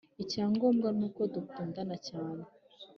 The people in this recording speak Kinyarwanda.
icyangombwa ni uko dukundana cyane